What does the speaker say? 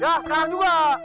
ya sekarang juga